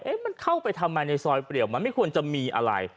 มันเข้าไปทำไมในซอยเปรียวมันไม่ควรจะมีอะไร